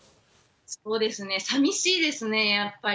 そうですね、寂しいですね、やっぱり。